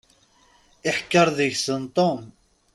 Iḥekker deg-sen Tom.